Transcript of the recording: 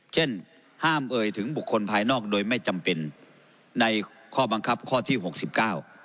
เช่นห้ามเอ่ยถึงบุคคลภายนอกโดยไม่จำเป็นในข้อบังคับข้อที่หกสิบเก้า